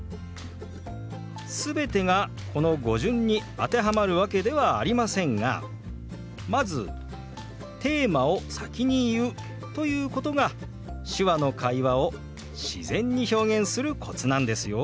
全てがこの語順に当てはまるわけではありませんがまずテーマを先に言うということが手話の会話を自然に表現するコツなんですよ。